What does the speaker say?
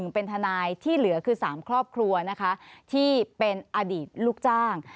เป็นทนายที่เหลือคือ๓ครอบครัวนะคะที่เป็นอดีตลูกจ้าง